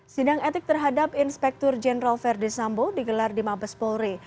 sidang etik terhadap inspektur jenderal verdi sambo digelar di mabes polri